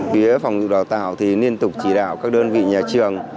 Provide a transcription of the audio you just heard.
phía phòng dục đào tạo thì liên tục chỉ đạo các đơn vị nhà trường